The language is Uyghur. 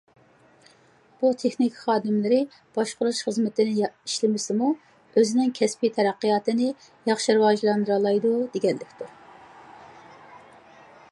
بۇ، تېخنىكا خادىملىرى باشقۇرۇش خىزمىتىنى ئىشلىمىسىمۇ، ئۆزىنىڭ كەسپىي تەرەققىياتىنى ياخشى راۋاجلاندۇرالايدۇ دېگەنلىكتۇر.